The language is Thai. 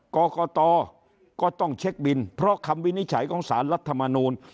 กรกตก็ต้องเช็คบินเพราะคำวินิจฉัยของสารรัฐมนูล